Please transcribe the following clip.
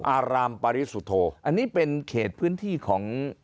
อารามปริสุทธโธอันนี้เป็นเขตพื้นที่ของ